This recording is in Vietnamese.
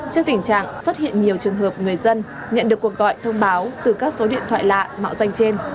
trước tình trạng xuất hiện nhiều trường hợp người dân nhận được cuộc gọi thông báo từ các số điện thoại lạ mạo danh trên